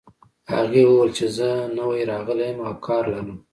هغې وویل چې زه نوی راغلې یم او کار لرم